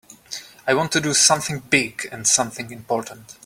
I want to do something big and something important.